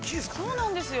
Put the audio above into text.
◆そうなんですよ。